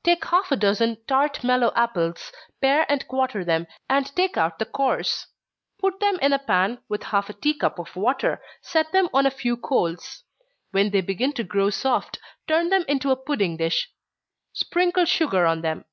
_ Take half a dozen tart mellow apples pare and quarter them, and take out the cores. Put them in a pan, with half a tea cup of water set them on a few coals. When they begin to grow soft, turn them into a pudding dish, sprinkle sugar on them.